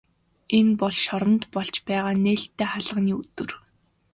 Энэ бол шоронд болж байгаа нээлттэй хаалганы өдөр.